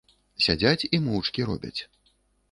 Сядзяць і моўчкі робяць.